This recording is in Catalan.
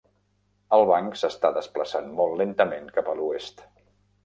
El banc s'està desplaçant molt lentament cap a l'oest.